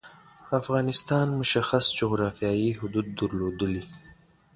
افغانستان مشخص جعرافیايی حدود درلودلي.